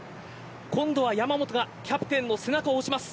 今度は山本がキャプテンの背中を押します。